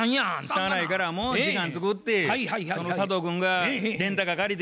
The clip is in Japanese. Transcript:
しゃあないからもう時間作ってその佐藤君がレンタカー借りて。